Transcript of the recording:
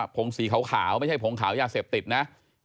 ผงสีขาวไม่ใช่ผงขาวยาเสพติดนะ